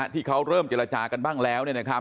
ที่เขาเริ่มเจรจากันบ้างแล้ว